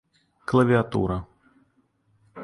Клавиатура